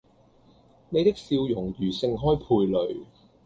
你的笑容如盛開蓓蕾